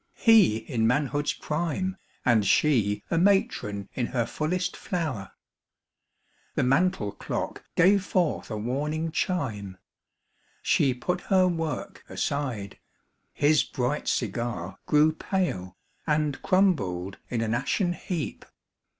He in manhood's prime And she a matron in her fullest flower. The mantel clock gave forth a warning chime. She put her work aside; his bright cigar Grew pale, and crumbled in an ashen heap.